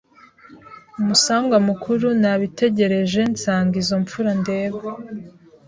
Umusangwa mukuru Nabitegereje nsanga izo mfura ndeba